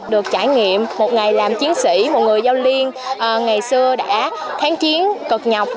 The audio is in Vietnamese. được trải nghiệm một ngày làm chiến sĩ một người giao liên ngày xưa đã tháng chiến cực nhọc